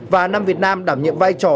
và năm việt nam đảm nhiệm vai trò